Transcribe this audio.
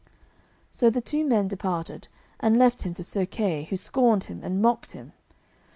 So the two men departed, and left him to Sir Kay, who scorned him and mocked him.